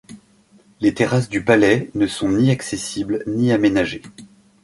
Les terrasses du palais ne sont ni accessibles ni aménagées.